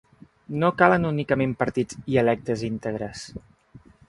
No calen únicament partits i electes íntegres.